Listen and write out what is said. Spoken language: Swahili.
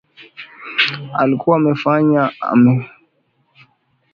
alikuwa amefanya amemfanya mtu kutumwa nyumbani kwake mjini london nchini humo